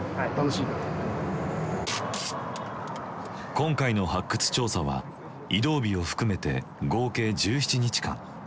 今回の発掘調査は移動日を含めて合計１７日間。